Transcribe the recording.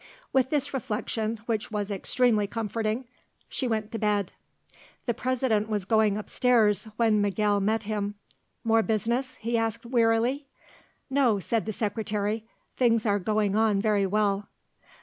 With this reflection, which was extremely comforting, she went to bed. The President was going up stairs, when Miguel met him. "More business?" he asked wearily. "No," said the Secretary; "things are going on very well."